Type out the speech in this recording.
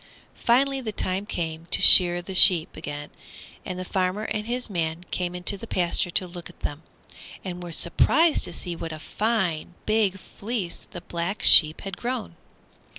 Finally the time came to shear the sheep again, and the farmer and his man came into the pasture to look at them, and were surprised to see what a fine, big fleece the Black Sheep had grown.